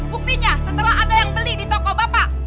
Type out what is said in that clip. buktinya setelah ada yang beli di toko bapak